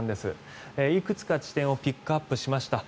いくつか地点をピックアップしました。